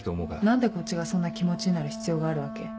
何でこっちがそんな気持ちになる必要があるわけ？